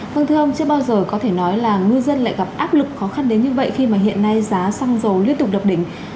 vâng thưa ông chưa bao giờ có thể nói là ngư dân lại gặp áp lực khó khăn đến như vậy khi mà hiện nay giá xăng dầu liên tục đập đỉnh